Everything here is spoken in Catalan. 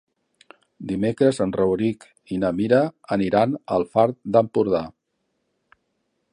Dimecres en Rauric i na Mira aniran al Far d'Empordà.